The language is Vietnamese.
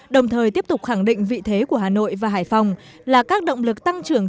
đồng thời tiếp tục khẳng định vị thế của hà nội và hải phòng là các động lực tăng trưởng